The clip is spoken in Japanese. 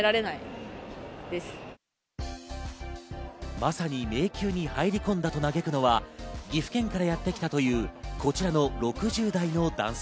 まさに迷宮に入り込んだと嘆くのは岐阜県からやってきたという、こちらの６０代の男性。